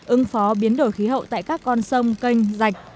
ứng phó biến đổi khí hậu tại các con sông kênh rạch